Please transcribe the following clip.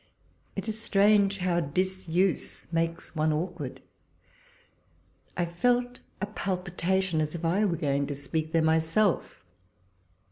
It is strange how disuse makes one awkward : I felt a palpitation, as if I were going to speak there myself.